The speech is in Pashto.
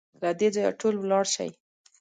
له دې ځايه ټول ولاړ شئ!